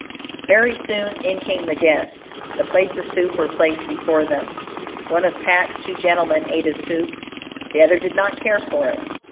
Very soon in came the guests. The plates of soup were placed before them. One of Pat's two gentlemen ate his soup; the other did not care for it.